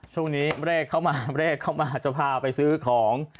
ช่วงนี้เลขเข้ามาเลขเข้ามาจะพาไปซื้อของ